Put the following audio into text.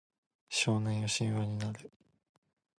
少年よ神話になれ